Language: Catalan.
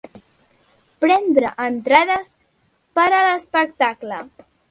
Prendre entrades per a l'espectacle.